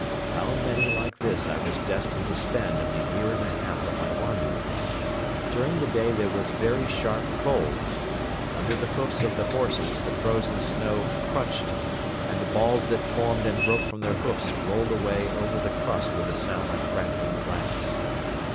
How many like this I was destined to spend in the year and a half of my wanderings! During the day there was very sharp cold. Under the hoofs of the horses the frozen snow crunched and the balls that formed and broke from their hoofs rolled away over the crust with a sound like crackling glass.